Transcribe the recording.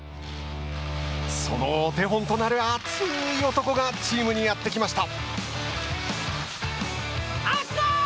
そのお手本となる熱い男がチームにやってきました。